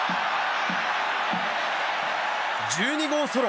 １２号ソロ。